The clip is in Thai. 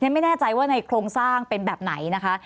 ไม่แน่ใจว่าในโครงสร้างเป็นแบบไหนนะคะ